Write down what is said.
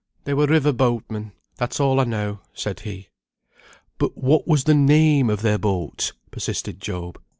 "They were river boatmen; that's all I know," said he. "But what was the name of their boat?" persevered Job.